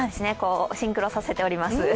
シンクロさせております。